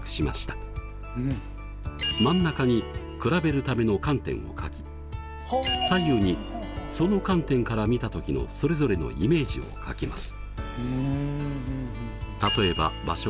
真ん中に比べるための「観点」を書き左右にその観点から見た時のそれぞれのイメージを書きます。